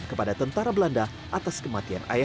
kolonial terhadap transcendent